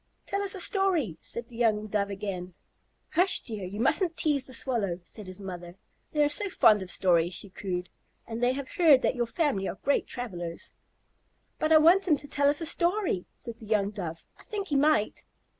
"Tell us a story," said the young Dove again. "Hush, dear. You mustn't tease the Swallow," said his mother. "They are so fond of stories," she cooed, "and they have heard that your family are great travellers." "But I want him to tell us a story," said the young Dove. "I think he might."